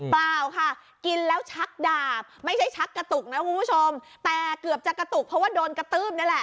เปล่าค่ะกินแล้วชักดาบไม่ใช่ชักกระตุกนะคุณผู้ชมแต่เกือบจะกระตุกเพราะว่าโดนกระตืบนี่แหละ